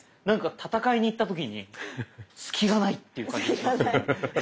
なんか戦いに行った時に隙がないっていう感じ。